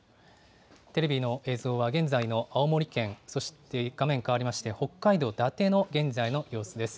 テレビの映像は現在の青森県そして、画面変わりまして北海道伊達の現在の様子です。